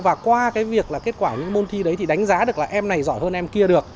và qua kết quả môn thi đấy thì đánh giá được là em này giỏi hơn em kia